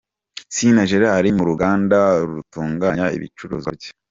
Sina Gerard mu ruganda rutunganya ibicuruzwa bye.